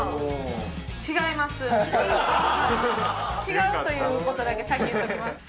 違うということだけ先言っときます